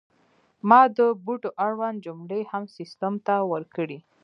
ما د بوټو اړوند جملې هم سیستم ته ورکړې.